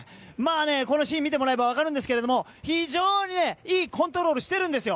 このシーンを見てもらえれば分かるんですけど非常にいいコントロールをしているんです。